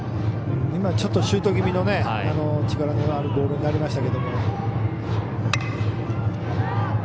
ちょっとシュート気味の力のあるボールになりましたけど。